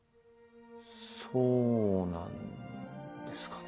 そうなんですかね？